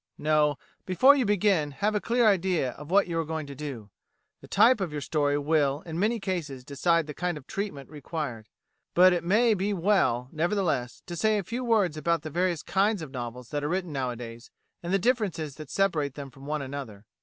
No; before you begin, have a clear idea of what you are going to do. The type of your story will in many cases decide the kind of treatment required; but it may be well, nevertheless, to say a few words about the various kinds of novels that are written nowadays, and the differences that separate them one from another.